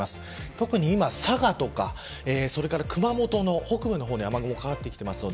特に今、佐賀とか熊本の北部の方に雨雲がかかってきています。